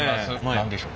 何でしょう？